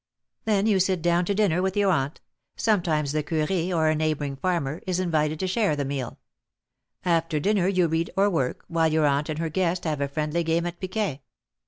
Then you sit down to dinner with your aunt; sometimes the curé, or a neighbouring farmer, is invited to share the meal. After dinner you read or work, while your aunt and her guest have a friendly game at piquet.